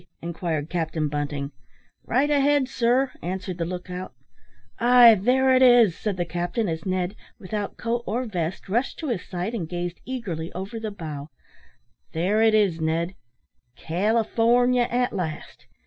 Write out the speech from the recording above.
inquired Captain Bunting. "Right ahead, sir," answered the look out. "Ay, there it is," said the captain, as Ned, without coat or vest, rushed to his side, and gazed eagerly over the bow, "there it is, Ned, California, at last!